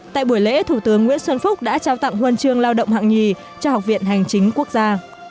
tại buổi lễ thủ tướng nguyễn xuân phúc đã trao tặng huân chương lao động hạng nhì cho học viện hành chính quốc gia